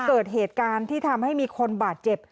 เกิดเหตุการณ์ที่ทำให้มีคนบาดเจ็บ